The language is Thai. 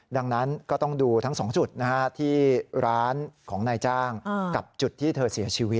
ดังนั้นก็ต้องดูทั้ง๒จุดที่ร้านของนายจ้างกับจุดที่เธอเสียชีวิต